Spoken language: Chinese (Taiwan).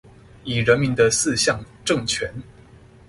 以人民的四項政權